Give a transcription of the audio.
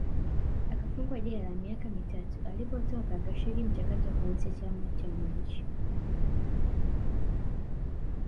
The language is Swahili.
akafungwa jela miaka mitatu alipotoka akashiriki mchakato wa kuanzisha chama cha Wananchi